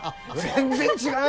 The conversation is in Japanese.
全然違う。